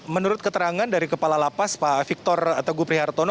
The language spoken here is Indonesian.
menurut keterangan dari kepala lapas pak victor teguh prihartono